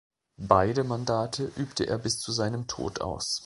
Beide Mandate übte er bis zu seinem Tod aus.